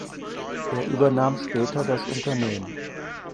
Er übernahm später das Unternehmen.